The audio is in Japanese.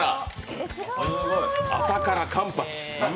朝からカンパチ。